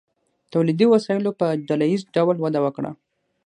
تولیدي وسایلو په ډله ایز ډول وده وکړه.